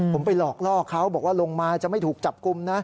ผมไปหลอกล่อเขาบอกว่าลงมาจะไม่ถูกจับกลุ่มนะ